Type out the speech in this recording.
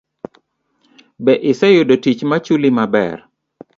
Be iseyudo tich machuli maber?